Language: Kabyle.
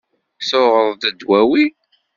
Tuɣeḍ-d dwawi?